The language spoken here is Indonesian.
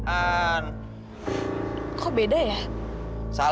mana kemana basically